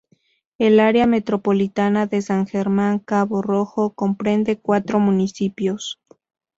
El área metropolitana de San Germán-Cabo Rojo comprende cuatro municipios.